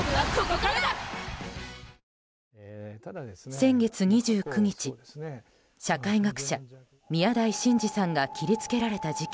先月２９日社会学者・宮台真司さんが切り付けられた事件。